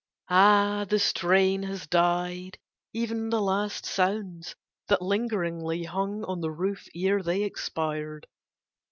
Ah, the strain Has died ev'n the last sounds that lingeringly Hung on the roof ere they expired!